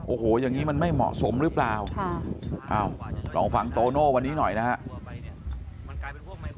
โอ้โหอย่างนี้มันไม่เหมาะสมหรือเปล่าลองฟังโตโน่วันนี้หน่อยนะครับ